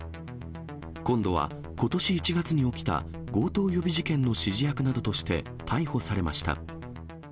今度は、ことし１月に起きた強盗予備事件の指示役などとして逮捕されました。